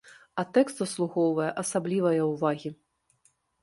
А тэкст заслугоўвае асаблівае ўвагі.